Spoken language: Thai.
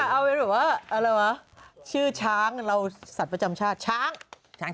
ะละวะชื่อช้างดีเราสัตว์ประจำชาติช้องช่าง